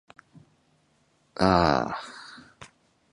わー